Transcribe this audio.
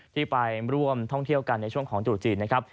ที่ไปร่วมท่องเที่ยวกันในช่วงของตรุษจีนนะครับ